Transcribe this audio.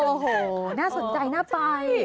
โอ้โหน่าสนใจน่าไป